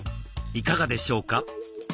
いかがでしょうか？